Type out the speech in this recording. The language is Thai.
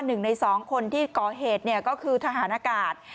หนึ่งในสองคนที่ก่อเหตุก็คือทหารอากาศ